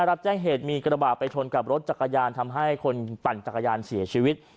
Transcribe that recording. รับแจ้งเหตุมีกระบาดไปชนกับรถจักรยานทำให้คนปั่นจักรยานเสียชีวิต